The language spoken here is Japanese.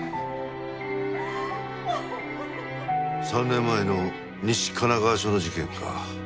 ３年前の西神奈川署の事件か。